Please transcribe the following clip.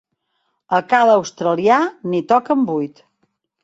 A cada australià n'hi toquen vuit.